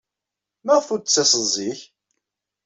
Maɣef ur d-tettaseḍ zik?